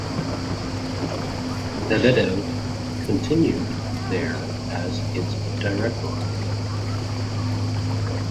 Lebedev continued there as its Director.